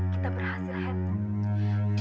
kita berhasil hendra